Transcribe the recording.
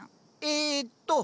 えっと。